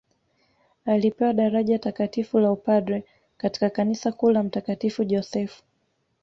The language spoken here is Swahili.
Alipewa daraja Takatifu la upadre katika kanisa kuu la mtakatifu Josefu